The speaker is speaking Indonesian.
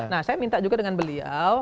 nah saya minta juga dengan beliau